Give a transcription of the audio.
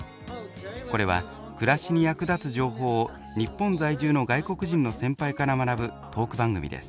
これは暮らしに役立つ情報を日本在住の外国人の先輩から学ぶトーク番組です。